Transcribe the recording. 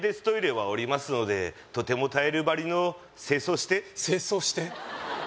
トイレはおりますのでとてもタイル張りの清掃して清掃して？